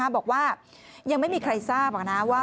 บอกว่ายังไม่มีใครทราบนะว่า